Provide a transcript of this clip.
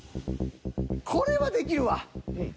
これはできるわ。